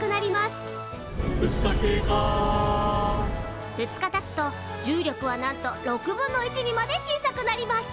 「２日経過」２日たつと重力はなんと６分の１にまで小さくなります。